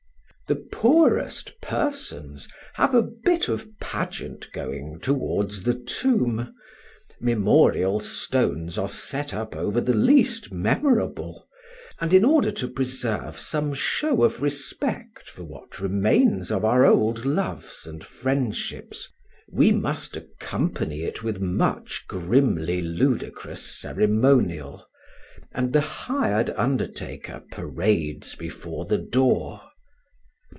The poorest persons have a bit of pageant going towards the tomb; memorial stones are set up over the least memorable; and, in order to preserve some show of respect for what remains of our old loves and friendships, we must accompany it with much grimly ludicrous ceremonial, and the hired undertaker parades before the door.